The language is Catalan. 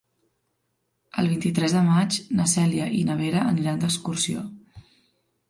El vint-i-tres de maig na Cèlia i na Vera aniran d'excursió.